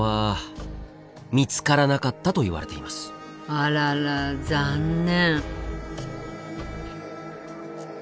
あらら残念。